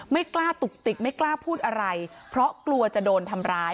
ไม่กล้าตุกติกไม่กล้าพูดอะไรเพราะกลัวจะโดนทำร้าย